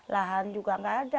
lahan juga nggak ada